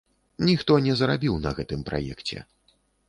Ніхто не зарабіў на гэтым праекце.